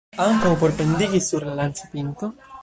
Ankaŭ por pendigi sur la lancopinto?